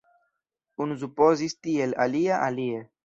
Unu supozis tiel, alia alie.